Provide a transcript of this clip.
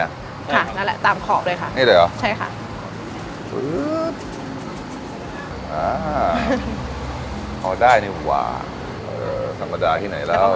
นั่นแหละตามขอบเลยค่ะใช่ค่ะอื้ออ่าเขาได้นี่แหว่าสัมปัญหาที่ไหนแล้ว